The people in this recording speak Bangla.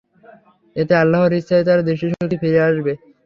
এতে আল্লাহর ইচ্ছায় তাঁর দৃষ্টিশক্তি ফিরে আসবে।